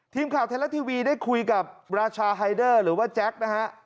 ทีมข่าวไทยรัฐทีวีได้คุยกับราชาไฮเดอร์หรือว่าแจ็คนะฮะ